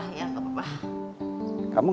aduh agak kicau sekali tuh